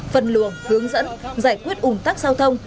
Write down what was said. phân luồng hướng dẫn giải quyết ủng tắc giao thông